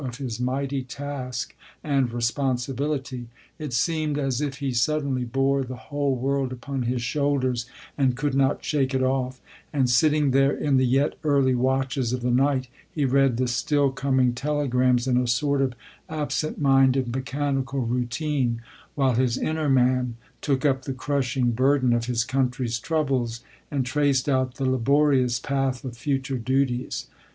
of his mighty task and responsibility. It seemed as if he suddenly bore the whole world upon his shoulders, and could not shake it off ; and sitting there in the yet early watches of the night, he read the still coming telegrams in a sort of absent minded mechanical routine, while his inner man took up the crushing burden of his country's troubles, and traced out the laborious path of future duties.